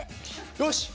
よし！